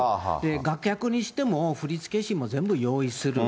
楽曲にしても、振付師も全部用意する。